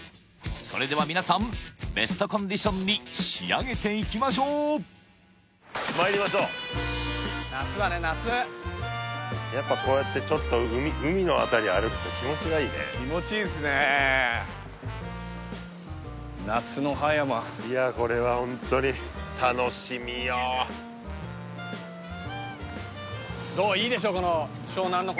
それでは皆さんベストコンディションに仕上げていきましょうまいりましょう夏だね夏やっぱこうやってちょっと海の辺り歩くと気持ちがいいね気持ちいいっすねいやこれはホントにいやいいっすね